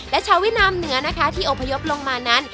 และชาวเวียดนามเหนือนะคะที่อพยพลงมานั้น